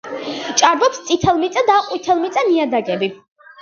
ჭარბობს წითელმიწა და ყვითელმიწა ნიადაგები.